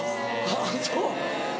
あぁそう。